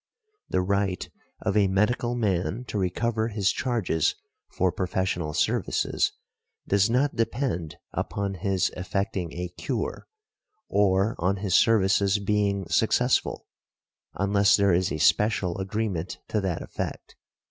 The right of a medical man to recover his charges for professional services does not depend upon his effecting a cure, or on his services being successful, unless there is a special agreement to that effect.